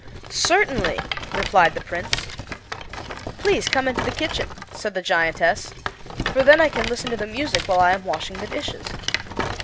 "Certainly," replied the Prince. "Please come into the kitchen," said the giantess, "for then I can listen to the music while I am washing the dishes."